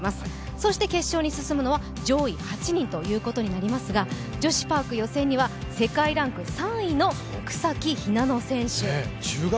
そして決勝に進むのは上位８人となりますが女子パーク予選には世界ランク３位の草木ひなの選手。